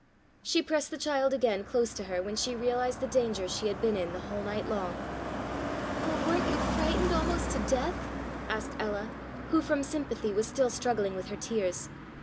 She pressed the child again close to her when she realized the danger she had been in the whole night long. "Oh, weren't you frightened almost to death?" asked Ella, who from sympathy was still struggling with her tears.